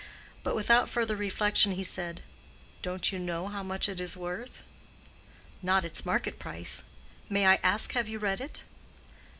But without further reflection he said, "Don't you know how much it is worth?" "Not its market price. May I ask have you read it?"